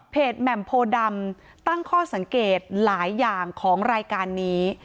แหม่มโพดำตั้งข้อสังเกตหลายอย่างของรายการนี้